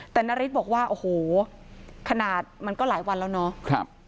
แต่นาริสบอกว่าโอ้โหขนาดมันก็หลายวันแล้วเนาะ